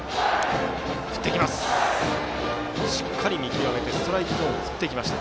しっかり見極めてストライクゾーンを振っていきました。